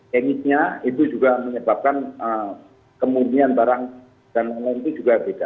teknisnya itu juga menyebabkan kemurnian barang dan lain lain itu juga beda